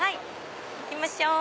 行きましょう！